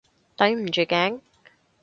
抵唔住頸？